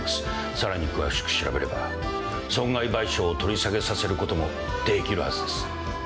さらに詳しく調べれば損害賠償を取り下げさせることもできるはずです。